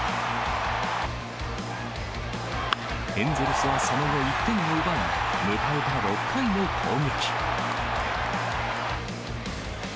エンゼルスはその後、１点を奪い、迎えた６回の攻撃。